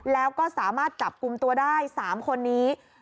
แล้วก็สามารถจับกลุ่มตัวได้๓คนนี้